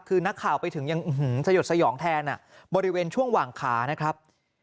คือนักข่าวไปถึงยังสยดสยองแทนบริเวณช่วงหว่างขานะครับ